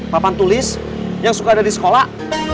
papan tulis yang suka ada di sekolah